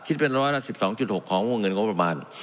คิดเป็น๑๑๒๖ของวงเงินงบมาร